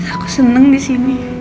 aku seneng di sini